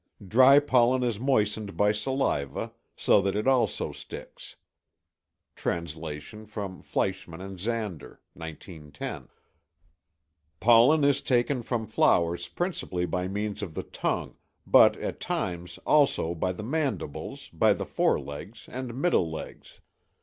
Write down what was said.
Dry pollen is moistened by saliva, so that it also sticks, [Translation from Fleischmann and Zander. 1910.] Pollen is taken from flowers principally by means of the tongue, but at times, also, by the mandibles, by the forelegs, and middle legs.